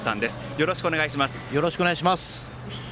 よろしくお願いします。